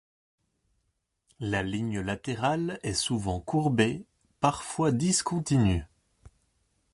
La ligne latérale est souvent courbée, parfois discontinue.